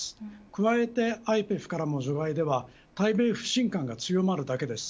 加えてＩＰＥＦからの除外では対米不信感が強まるだけです。